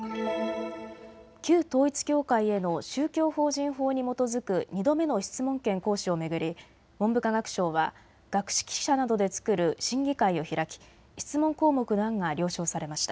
旧統一教会への宗教法人法に基づく２度目の質問権行使を巡り文部科学省は学識者などで作る審議会を開き質問項目の案が了承されました。